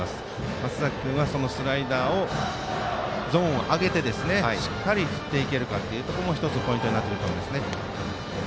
松崎君は、そのスライダーをゾーンを上げてしっかり振っていけるかというところもポイントになってくると思います。